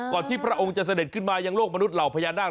ที่พระองค์จะเสด็จขึ้นมายังโลกมนุษย์เหล่าพญานาค